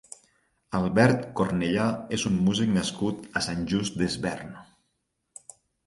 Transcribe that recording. Albert Cornellà és un músic nascut a Sant Just Desvern.